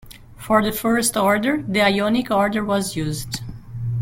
For the first order, the Ionic order was used.